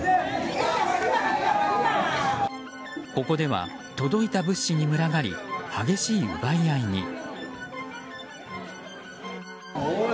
ここでは届いた物資に群がり激しい奪い合いに。